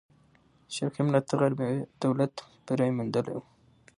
شرقي ملت تر غربي دولت بری موندلی وو.